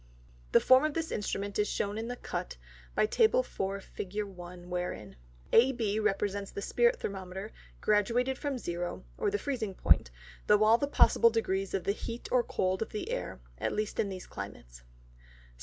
The Form of this Instrument is shown in the Cut, by Tab. 4. Fig. 1. wherein, AB represents the Spirit Thermometer, graduated from 0, or the freezing Point, through all the possible degrees of the Heat or Cold of the Air, at least in these Climates.